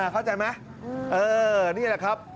เข้าใจไหมนี่แหละครับ